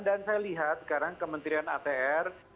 dan saya lihat sekarang kementerian atr